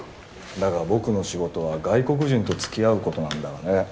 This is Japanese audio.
だが僕の仕事は外国人とつきあうことなんだがね。